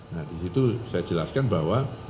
nah disitu saya jelaskan bahwa